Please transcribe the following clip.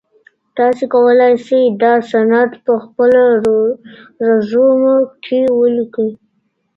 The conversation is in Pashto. تاسو کولای سئ دا سند په خپله رزومه کي ولیکئ.